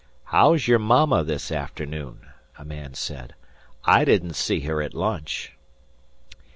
"How's your mamma this afternoon?" a man said. "I didn't see her at lunch."